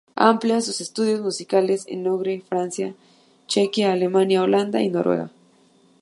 Amplía sus estudios musicales en Ogre, Francia, Chequia, Alemania, Holanda y Noruega.